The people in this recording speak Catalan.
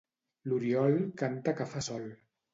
L'oriol canta que fa sol.